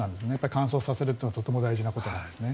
乾燥させるというのがとても大事なことなんですね。